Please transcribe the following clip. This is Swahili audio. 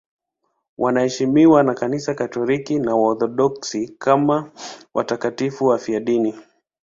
Wanaheshimiwa na Kanisa Katoliki na Waorthodoksi kama watakatifu wafiadini.